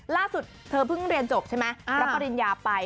ล่าสุดเธอเพิ่งเรียนจบใช่ไหมรับปริญญาไป